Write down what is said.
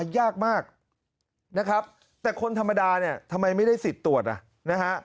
ยากมากนะครับแต่คนธรรมดาเนี่ยทำไมไม่ได้สิทธิ์ตรวจนะฮะ